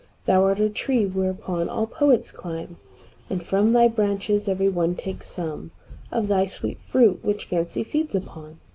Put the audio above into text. Thou art a tree whereon all poets clime; And from thy branches every one takes someOf thy sweet fruit, which Fancy feeds upon.